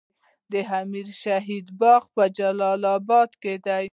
د امیر شهید باغ په جلال اباد کې دی